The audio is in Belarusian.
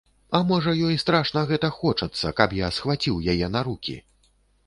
А можа ёй страшна гэта хочацца, каб я схваціў яе на рукі?